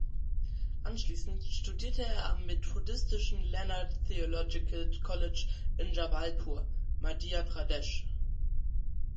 Anschließend studierte er am methodistischen "Leonard Theological College" in Jabalpur (Madhya Pradesh).